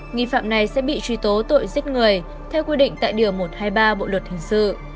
nghi phạm này sẽ bị truy tố tội giết người theo quy định tại điều một trăm hai mươi ba bộ luật hình sự